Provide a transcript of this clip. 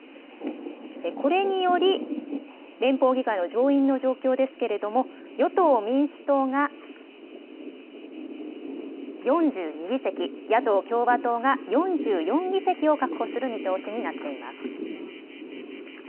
これにより、連邦議会の上院の状況ですけれども、与党・民主党が４２議席、野党・共和党が４４議席を確保する見通しになっています。